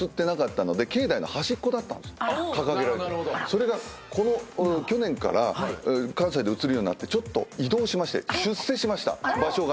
それが去年から関西で映るようになってちょっと移動しまして出世しました場所が。